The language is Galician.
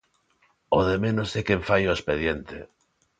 O de menos é quen fai o expediente.